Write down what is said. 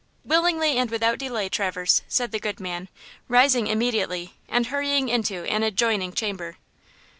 "Willingly and without delay, Traverse," said the good man, rising immediately and hurrying into an adjoining chamber.